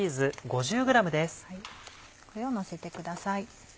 これをのせてください。